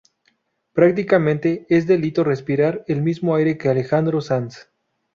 prácticamente es delito respirar el mismo aire que Alejandro Sanz